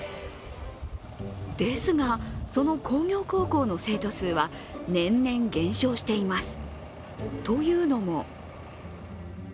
ですが、その工業高校の生徒数は年々減少しています。